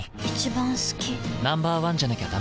Ｎｏ．１じゃなきゃダメだ。